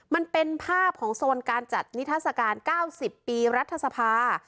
มันเป็นภาพของโซนการจัดนิทัศกาล๙๐ปีรัฐสภา